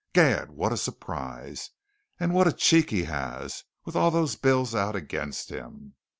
Gad! what a surprise! And what a cheek he has with all those bills out against him!"